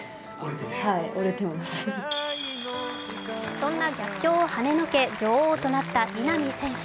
そんな逆境をはねのけ女王となった稲見選手。